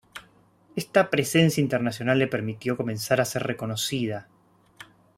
Esta presencia internacional le permitió comenzar a ser reconocida.